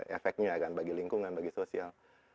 dengan efeknya ya kan bagi lingkungan bagi sosial